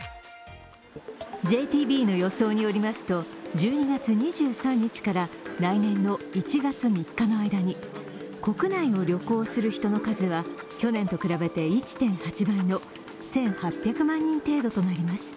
ＪＴＢの予想によりますと１２月２３日から来年の１月３日の間に国内を旅行する人の数は去年と比べて１．８倍の１８００万人程度となります。